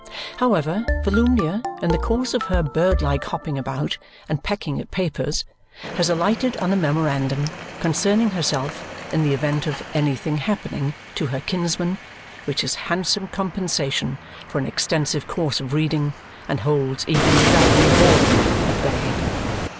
However, Volumnia, in the course of her bird like hopping about and pecking at papers, has alighted on a memorandum concerning herself in the event of "anything happening" to her kinsman, which is handsome compensation for an extensive course of reading and holds even the dragon Boredom at bay.